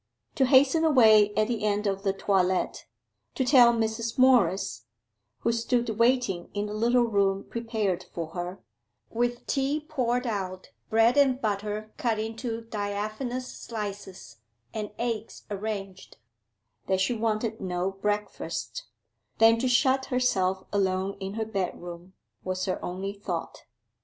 To hasten away at the end of the toilet, to tell Mrs. Morris who stood waiting in a little room prepared for her, with tea poured out, bread and butter cut into diaphanous slices, and eggs arranged that she wanted no breakfast: then to shut herself alone in her bedroom, was her only thought.